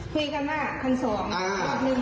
เผื่อการใกล้มากค่ะทำสอง